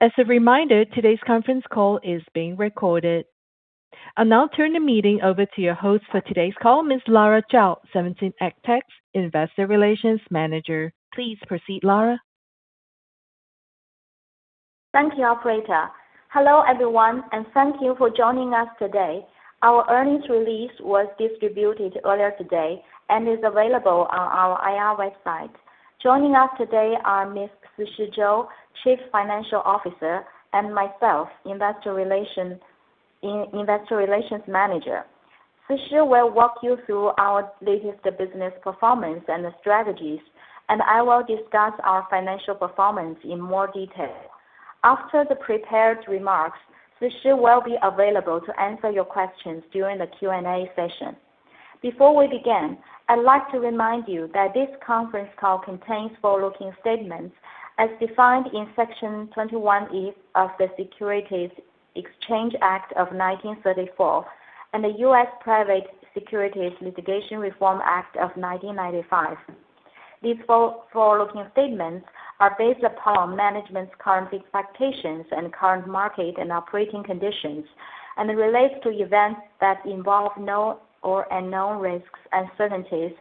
As a reminder, today's conference call is being recorded. I'll now turn the meeting over to your host for today's call, Ms. Lara Zhao, 17EdTech's Investor Relations Manager. Please proceed, Lara. Thank you, operator. Hello, everyone, and thank you for joining us today. Our earnings release was distributed earlier today and is available on our IR website. Joining us today are Ms. Sishi Zhou, Chief Financial Officer, and myself, Investor Relations Manager. Sishi will walk you through our latest business performance and strategies, and I will discuss our financial performance in more detail. After the prepared remarks, Sishi will be available to answer your questions during the Q&A session. Before we begin, I'd like to remind you that this conference call contains forward-looking statements as defined in Section 21E of the Securities Exchange Act of 1934 and the U.S. Private Securities Litigation Reform Act of 1995. These forward-looking statements are based upon management's current expectations and current market and operating conditions, and it relates to events that involve known or unknown risks, uncertainties,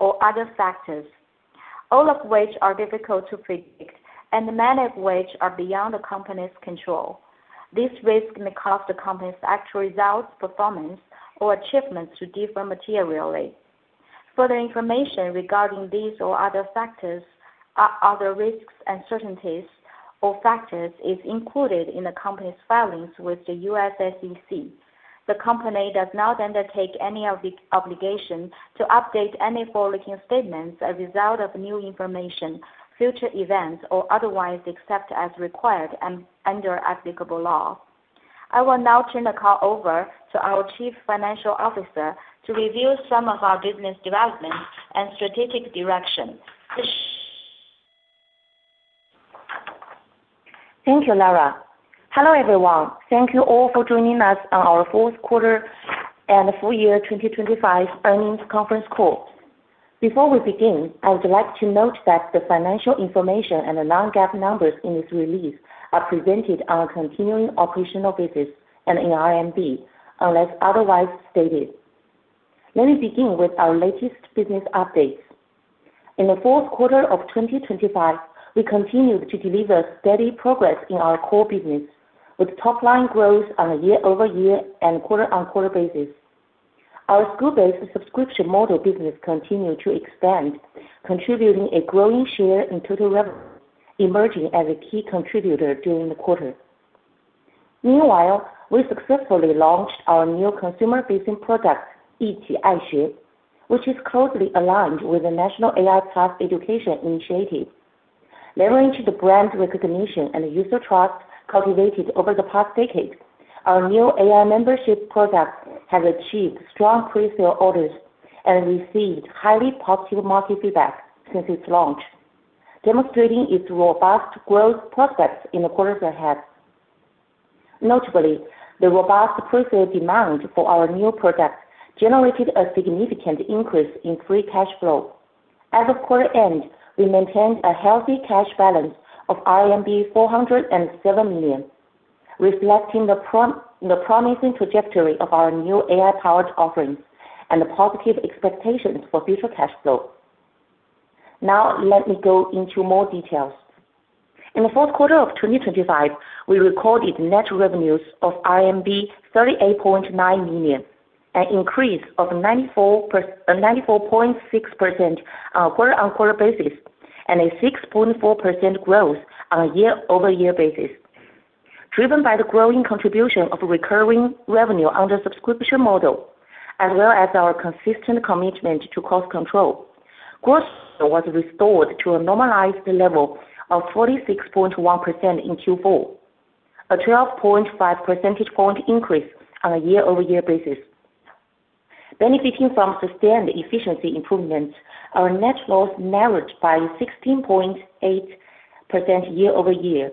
or other factors, all of which are difficult to predict, and many of which are beyond the company's control. This risk may cause the company's actual results, performance, or achievements to differ materially. Further information regarding these or other factors, other risks, uncertainties, or factors is included in the company's filings with the U.S. SEC. The company does not undertake any obligation to update any forward-looking statements as a result of new information, future events, or otherwise except as required under applicable law. I will now turn the call over to our Chief Financial Officer to review some of our business developments and strategic direction. Thank you, Lara. Hello, everyone. Thank you all for joining us on our fourth quarter and full year 2025 earnings conference call. Before we begin, I would like to note that the financial information and the non-GAAP numbers in this release are presented on a continuing operational basis and in RMB, unless otherwise stated. Let me begin with our latest business updates. In the fourth quarter of 2025, we continued to deliver steady progress in our core business, with top-line growth on a year-over-year and quarter-over-quarter basis. Our school-based subscription model business continued to expand, contributing a growing share in total revenue, emerging as a key contributor during the quarter. Meanwhile, we successfully launched our new consumer-facing product, Yiqi Aixue which is closely aligned with the national AI+ education initiative. Leveraging the brand recognition and user trust cultivated over the past decade, our new AI membership product has achieved strong presale orders and received highly positive market feedback since its launch, demonstrating its robust growth prospects in the quarters ahead. Notably, the robust presale demand for our new product generated a significant increase in free cash flow. As of quarter end, we maintained a healthy cash balance of RMB 407 million, reflecting the promising trajectory of our new AI-powered offerings and the positive expectations for future cash flow. Now let me go into more details. In the fourth quarter of 2025, we recorded net revenues of RMB 38.9 million, an increase of 94.6% on a quarter-over-quarter basis, and a 6.4% growth on a year-over-year basis. Driven by the growing contribution of recurring revenue on the subscription model, as well as our consistent commitment to cost control, growth was restored to a normalized level of 46.1% in Q4, a 12.5 percentage point increase on a year-over-year basis. Benefiting from sustained efficiency improvements, our net loss narrowed by 16.8% year-over-year.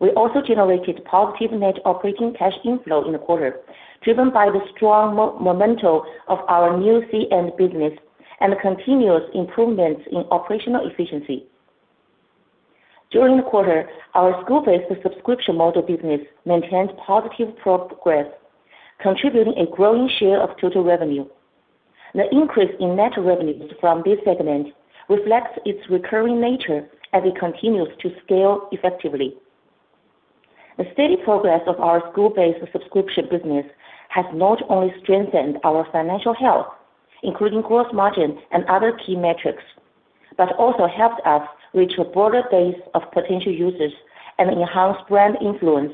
We also generated positive net operating cash inflow in the quarter, driven by the strong momentum of our new C-end business and continuous improvements in operational efficiency. During the quarter our school-based subscription model business maintained positive progress, contributing a growing share of total revenue. The increase in net revenues from this segment reflects its recurring nature as it continues to scale effectively. The steady progress of our school-based subscription business has not only strengthened our financial health, including gross margins and other key metrics, but also helped us reach a broader base of potential users and enhance brand influence,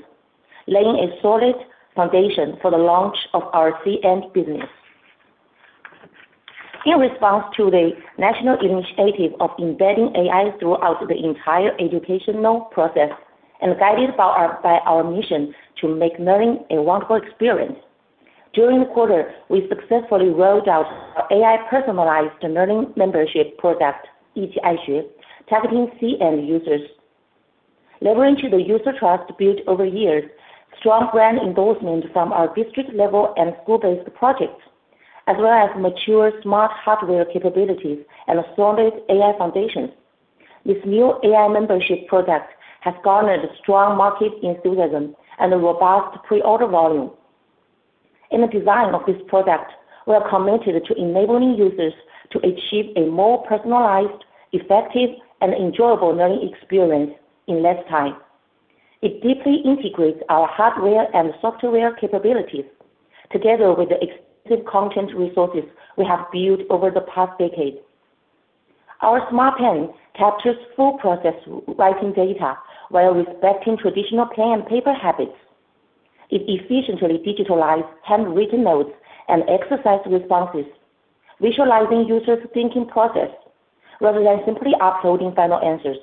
laying a solid foundation for the launch of our C-end business. In response to the national initiative of embedding AI throughout the entire educational process and guided by our mission to make learning a wonderful experience, during the quarter, we successfully rolled out our AI personalized learning membership product, Yiqi Aixue, targeting C-end users. Leveraging the user trust built over years, strong brand endorsement from our district-level and school-based projects as well as mature smart hardware capabilities and a solid AI foundation. This new AI membership product has garnered strong market enthusiasm and a robust pre-order volume. In the design of this product, we are committed to enabling users to achieve a more personalized, effective, and enjoyable learning experience in less time. It deeply integrates our hardware and software capabilities together with the extensive content resources we have built over the past decade. Our Smart Pen captures full process writing data while respecting traditional pen and paper habits. It efficiently digitalize handwritten notes and exercise responses, visualizing users' thinking process rather than simply uploading final answers.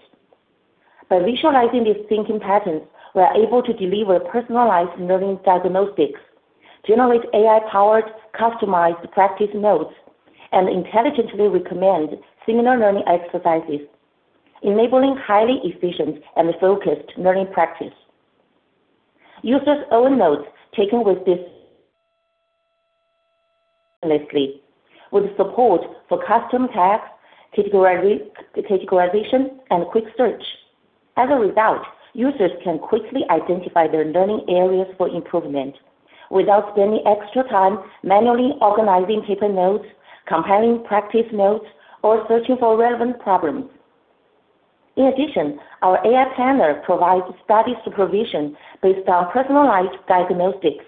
By visualizing these thinking patterns, we are able to deliver personalized learning diagnostics, generate AI-powered customized practice notes, and intelligently recommend similar learning exercises, enabling highly efficient and focused learning practice. Users' own notes taken with this endlessly with support for custom tags, categorization, and quick search. As a result, users can quickly identify their learning areas for improvement without spending extra time manually organizing paper notes, compiling practice notes, or searching for relevant problems. In addition, our AI planner provides study supervision based on personalized diagnostics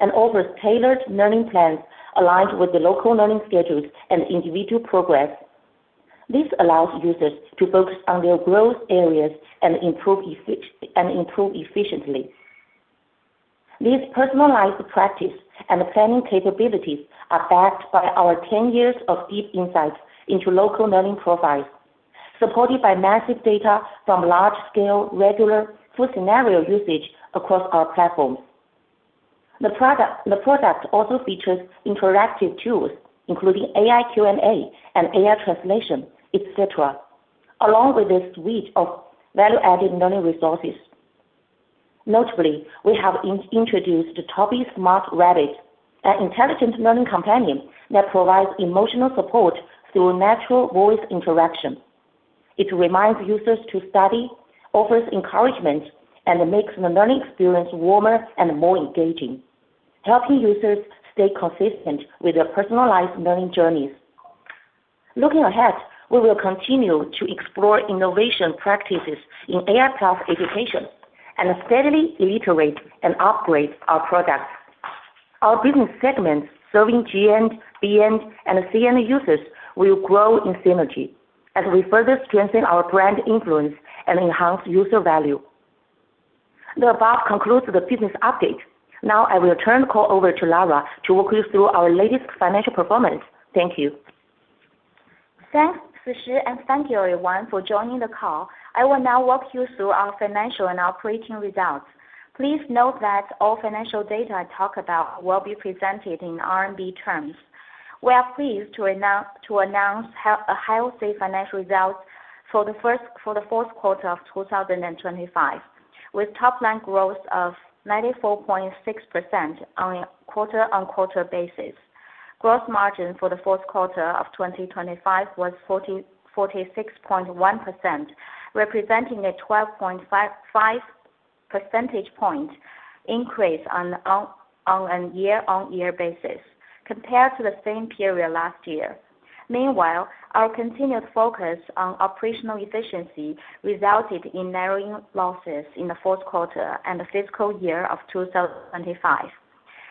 and offers tailored learning plans aligned with the local learning schedules and individual progress. This allows users to focus on their growth areas and improve efficiently. These personalized practice and planning capabilities are backed by our 10 years of deep insights into local learning profiles, supported by massive data from large scale, regular, full scenario usage across our platforms. The product also features interactive tools, including AI Q&A and AI translation, et cetera, along with a suite of value-added learning resources. Notably, we have introduced Tuobitu Smart Rabbit, an intelligent learning companion that provides emotional support through natural voice interaction. It reminds users to study, offers encouragement, and makes the learning experience warmer and more engaging, helping users stay consistent with their personalized learning journeys. Looking ahead, we will continue to explore innovation practices in AI+ education and steadily reiterate and upgrade our products. Our business segments serving G-end, B-end, and C-end users will grow in synergy as we further strengthen our brand influence and enhance user value. The above concludes the business update. Now I will turn the call over to Lara to walk you through our latest financial performance. Thank you. Thanks, Sishi, and thank you everyone for joining the call. I will now walk you through our financial and operating results. Please note that all financial data I talk about will be presented in RMB terms. We are pleased to announce a healthy financial results for the fourth quarter of 2025, with top line growth of 94.6% on a quarter-on-quarter basis. Gross margin for the fourth quarter of 2025 was 46.1%, representing a 12.5 percentage point increase on a year-on-year basis compared to the same period last year. Meanwhile, our continued focus on operational efficiency resulted in narrowing losses in the fourth quarter and the fiscal year of 2025.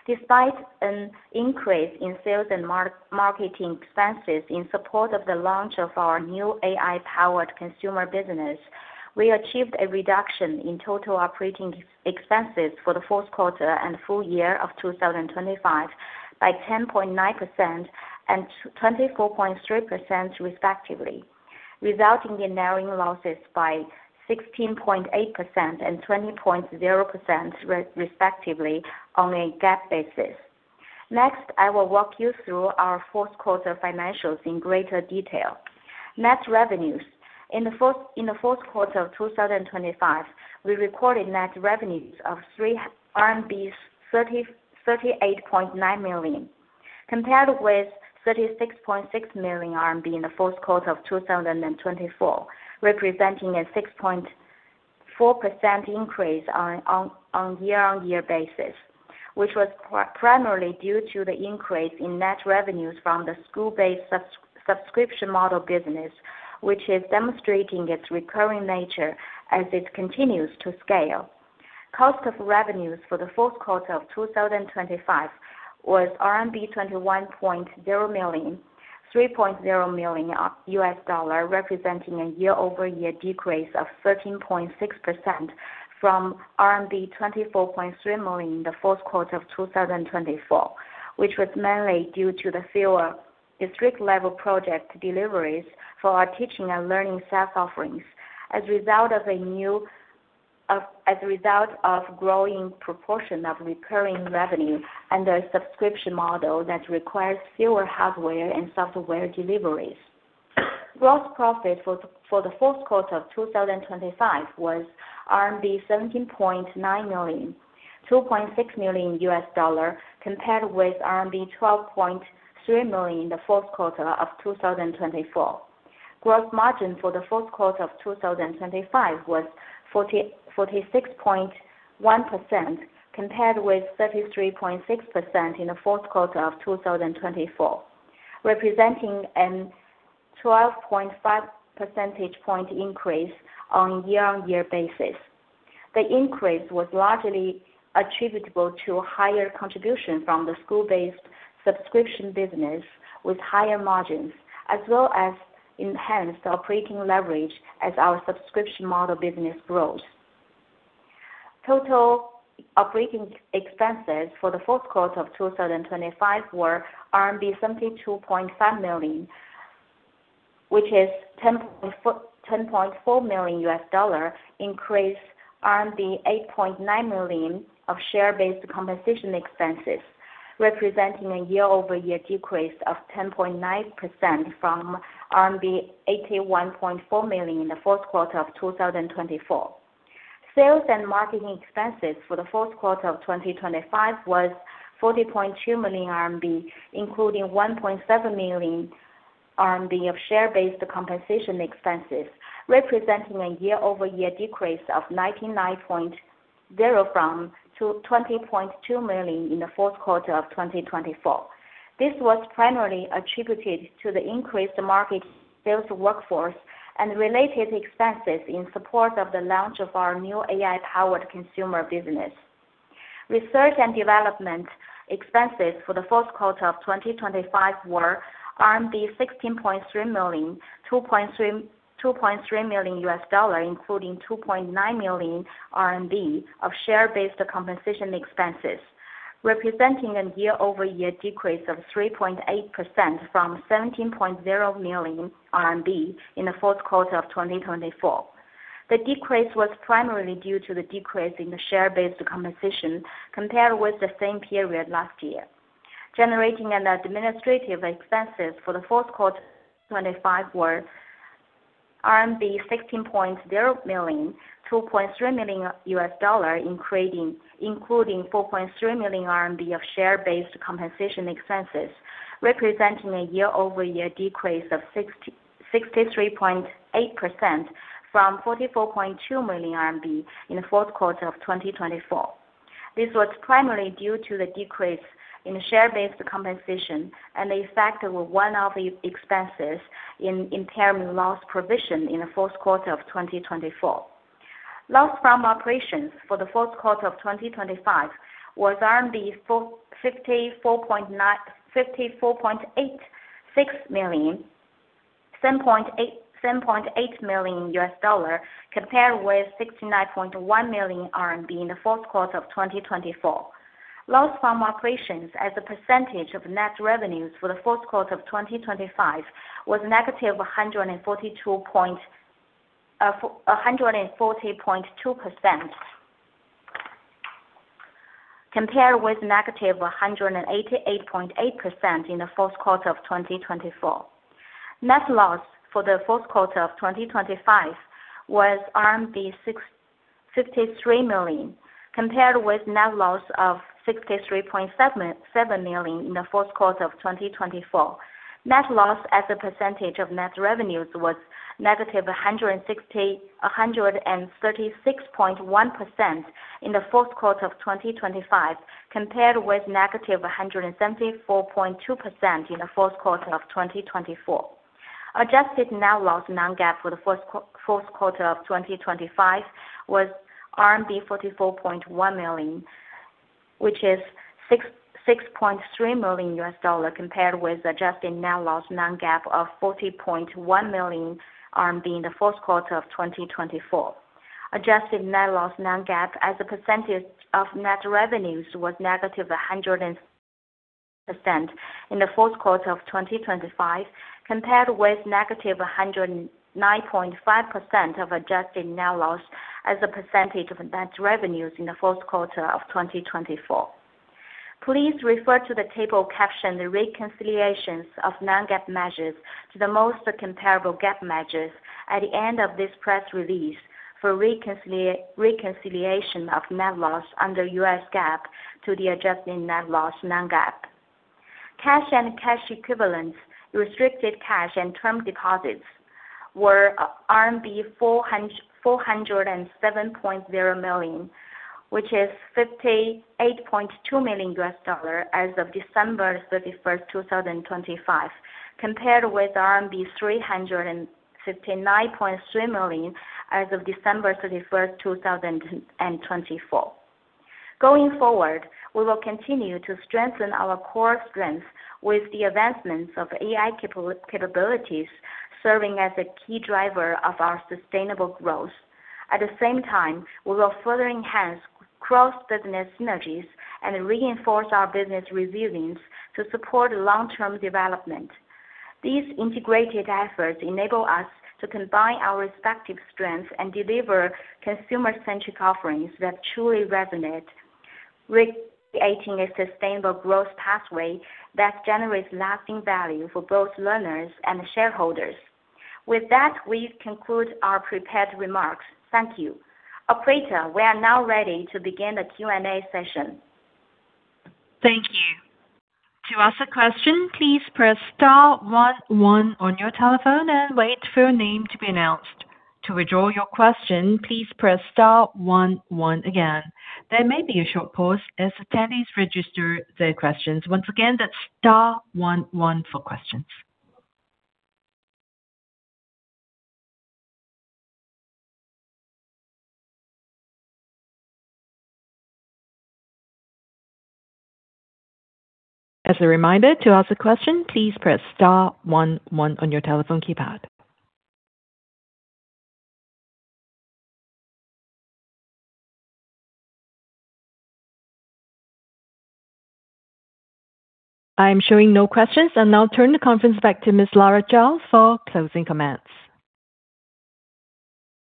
Despite an increase in sales and marketing expenses in support of the launch of our new AI powered consumer business, we achieved a reduction in total operating expenses for the fourth quarter and full year of 2025 by 10.9% and 24.3% respectively, resulting in narrowing losses by 16.8% and 20.0% respectively on a GAAP basis. Next, I will walk you through our fourth quarter financials in greater detail. Net revenues. In the fourth quarter of 2025, we recorded net revenues of 38.9 million, compared with 36.6 million RMB in the fourth quarter of 2024, representing a 6.4% increase on a year-on-year basis, which was primarily due to the increase in net revenues from the school-based subscription model business, which is demonstrating its recurring nature as it continues to scale. Cost of revenues for the fourth quarter of 2025 was RMB 21.0 million, $3.0 million, representing a year-over-year decrease of 13.6% from RMB 24.3 million in the fourth quarter of 2024, which was mainly due to the fewer district-level project deliveries for our teaching and learning staff offerings as a result of a new... As a result of growing proportion of recurring revenue and a subscription model that requires fewer hardware and software deliveries. Gross profit for the fourth quarter of 2025 was RMB 17.9 million, $2.6 million, compared with RMB 12.3 million in the fourth quarter of 2024. Gross margin for the fourth quarter of 2025 was 46.1% compared with 33.6% in the fourth quarter of 2024, representing a 12.5 percentage point increase on a year-on-year basis. The increase was largely attributable to higher contribution from the school-based subscription business with higher margins, as well as enhanced operating leverage as our subscription model business grows. Total operating expenses for the fourth quarter of 2025 were RMB 72.5 million, which is $10.4 million including RMB 8.9 million of share-based compensation expenses, representing a year-over-year decrease of 10.9% from RMB 81.4 million in the fourth quarter of 2024. Sales and marketing expenses for the fourth quarter of 2025 was 40.2 million RMB, including 1.7 million RMB of share-based compensation expenses, representing a year-over-year increase of 99.0% from 20.2 million in the fourth quarter of 2024. This was primarily attributed to the increased market sales workforce and related expenses in support of the launch of our new AI powered consumer business. Research and development expenses for the fourth quarter of 2025 were RMB 16.3 million, $2.3 million, including 2.9 million RMB of share-based compensation expenses, representing a year-over-year decrease of 3.8% from 17.0 million RMB in the fourth quarter of 2024. The decrease was primarily due to the decrease in the share-based compensation compared with the same period last year. General and administrative expenses for the fourth quarter of 2025 were RMB 16.0 million, $2.3 million, including 4.3 million RMB of share-based compensation expenses, representing a year-over-year decrease of 63.8% from 44.2 million RMB in the fourth quarter of 2024. This was primarily due to the decrease in share-based compensation and the effect of one-off expenses in impairment loss provision in the fourth quarter of 2024. Loss from operations for the fourth quarter of 2025 was 54.86 million, $7.8 million compared with 69.1 million RMB in the fourth quarter of 2024. Loss from operations as a percentage of net revenues for the fourth quarter of 2025 was -140.2% compared with -188.8% in the fourth quarter of 2024. Net loss for the fourth quarter of 2025 was RMB 653 million compared with net loss of 63.7 million in the fourth quarter of 2024. Net loss as a percentage of net revenues was -136.1% in the fourth quarter of 2025, compared with -174.2% in the fourth quarter of 2024. Adjusted net loss non-GAAP for the fourth quarter of 2025 was RMB 44.1 million, which is $6.3 million compared with adjusted net loss non-GAAP of 40.1 million RMB in the fourth quarter of 2024. Adjusted net loss non-GAAP as a percentage of net revenues was -100% in the fourth quarter of 2025, compared with -109.5% of adjusted net loss as a percentage of net revenues in the fourth quarter of 2024. Please refer to the table captioned the reconciliations of non-GAAP measures to the most comparable GAAP measures at the end of this press release for reconciliation of net loss under U.S. GAAP to the adjusted net loss non-GAAP. Cash and cash equivalents, restricted cash and term deposits were RMB 407.0 million, which is $58.2 million as of December 31st, 2025, compared with RMB 359.3 million as of December 31, 2024. Going forward, we will continue to strengthen our core strengths with the advancements of AI capabilities serving as a key driver of our sustainable growth. At the same time, we will further enhance cross-business synergies and reinforce our business resilience to support long-term development. These integrated efforts enable us to combine our respective strengths and deliver consumer-centric offerings that truly resonate, creating a sustainable growth pathway that generates lasting value for both learners and shareholders. With that, we conclude our prepared remarks. Thank you. Operator, we are now ready to begin the Q&A session. Thank you. To ask a question, please press star one one on your telephone and wait for your name to be announced. To withdraw your question, please press star one one again. There may be a short pause as attendees register their questions. Once again, that's star one one for questions. As a reminder, to ask a question, please press star one one on your telephone keypad. I am showing no questions. I'll now turn the conference back to Ms. Lara Zhao for closing comments.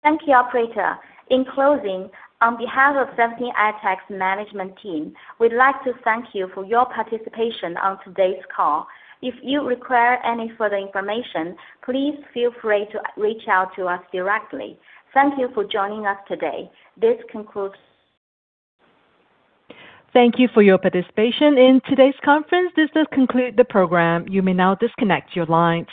Thank you, operator. In closing, on behalf of 17EdTech's management team we'd like to thank you for your participation on today's call. If you require any further information, please feel free to reach out to us directly. Thank you for joining us today. This concludes. Thank you for your participation in today's conference. This does conclude the program. You may now disconnect your line.